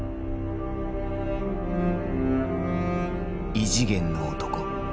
異次元の男。